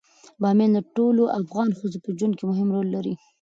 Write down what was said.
بامیان د ټولو افغان ښځو په ژوند کې مهم رول لري.